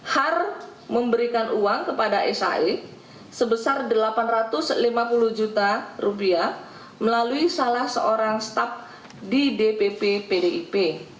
har memberikan uang kepada sae sebesar delapan ratus lima puluh juta rupiah melalui salah seorang staf di dpp pdip